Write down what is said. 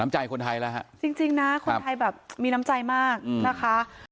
ใจคนไทยแล้วฮะจริงนะคนไทยแบบมีน้ำใจมากนะคะ